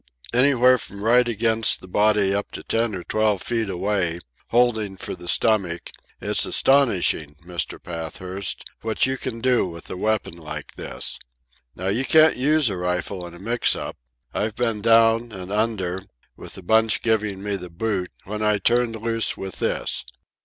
"Anywhere from right against the body up to ten or twelve feet away, holding for the stomach, it's astonishing, Mr. Pathurst, what you can do with a weapon like this. Now you can't use a rifle in a mix up. I've been down and under, with a bunch giving me the boot, when I turned loose with this.